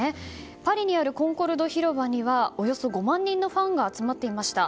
パリにあるコンコルド広場にはおよそ５万人のファンが集まっていました。